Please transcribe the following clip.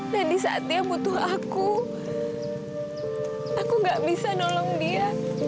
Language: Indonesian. dan di saat dia butuh aku aku gak bisa nolong dia